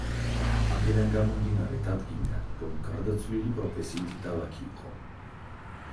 აქედან გამომდინარე დადგინდა, რომ გარდაცვლილი პროფესიით დალაქი იყო.